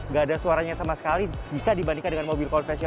gak ada suaranya sama sekali jika dibandingkan dengan mobil konvensional